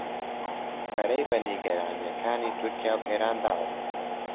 پەرەی بە نیگەرانییەکانی تورکیا و ئێران داوە